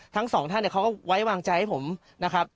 ทั้งสองท่านเขาก็ไว้วางใจให้ผมนะครับ